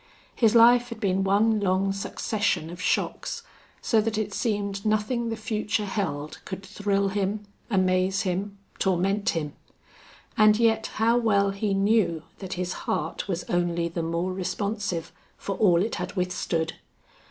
His life had been one long succession of shocks, so that it seemed nothing the future held could thrill him, amaze him, torment him. And yet how well he knew that his heart was only the more responsive for all it had withstood!